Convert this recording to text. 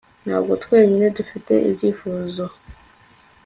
Ntabwo twenyine dufite ibyifuzo hymeneal